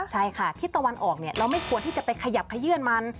ใช่ค่ะทิศตะวันออกเราไม่ควรที่จะไปขยับขยื่นมัน